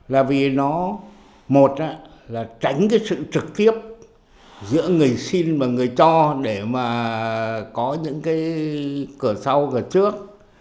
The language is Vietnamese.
là vì nó một là tránh sự trực tiếp giữa người xin và người cho để có những cửa sau cửa trước